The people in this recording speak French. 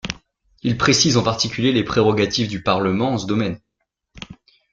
Il précise en particulier les prérogatives du Parlement en ce domaine.